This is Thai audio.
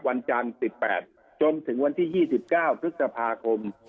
วันจันทร์๑๘จนถึงวันที่๒๙พฤษภาคม